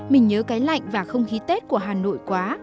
mình nhớ cái lạnh và không khí tết của hà nội quá